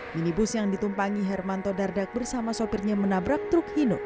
minibus yang ditumpangi hermanto dardak bersama sopirnya menabrak truk hindu